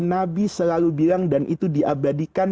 nabi selalu bilang dan itu diabadikan